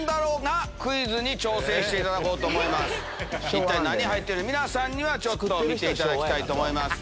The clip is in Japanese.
一体何入ってるか皆さんには見ていただきたいと思います。